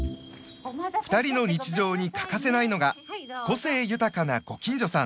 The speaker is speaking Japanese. ２人の日常に欠かせないのが個性豊かなご近所さん。